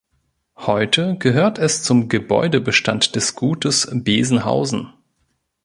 Heute gehört es zum Gebäudebestand des Gutes Besenhausen.